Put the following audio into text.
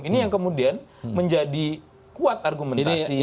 ini yang kemudian menjadi kuat argumentasi